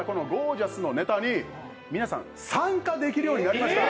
ジャスのネタに皆さん、参加できるようになりました。